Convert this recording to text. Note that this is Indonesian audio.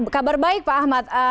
kabar baik pak ahmad